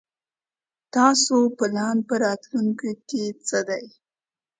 تاسو پلان په راتلوونکي کې څه دی ؟